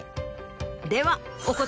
では。